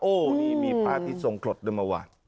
โอ้นี่มีภาพที่ทรงคลดด้วยมาวาด